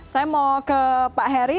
saya mau ke pak heri